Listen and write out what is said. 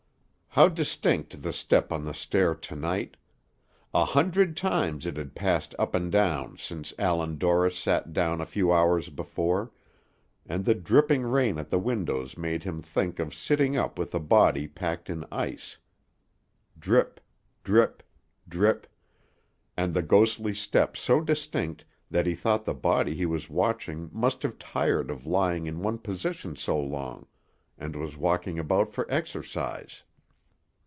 How distinct the step on the stair to night! A hundred times it had passed up and down since Allan Dorris sat down a few hours before; and the dripping rain at the windows made him think of sitting up with a body packed in ice. Drip; drip; drip; and the ghostly step so distinct that he thought the body he was watching must have tired of lying in one position so long, and was walking about for exercise.